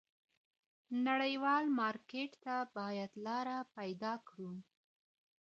نړیوال مارکیټ ته باید لاره پیدا کړو.